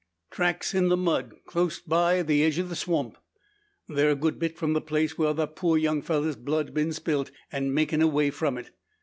"Tracks in the mud, clost in by the edge o' the swamp. They're a good bit from the place whar the poor young fellur's blood's been spilt, an' makin' away from it.